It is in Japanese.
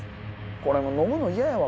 これ飲むの嫌やわ